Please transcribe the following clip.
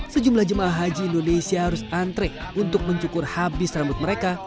sejumlah jemaah haji indonesia harus antre untuk mencukur habis rambut mereka